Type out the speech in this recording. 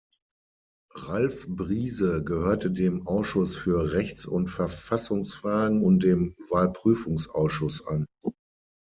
Ralf Briese gehörte dem Ausschuss für Rechts- und Verfassungsfragen und dem Wahlprüfungsausschuss an.